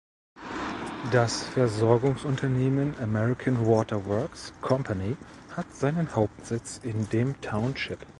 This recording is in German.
Das Versorgungsunternehmen American Water Works Company hat seinen Hauptsitz in dem Township.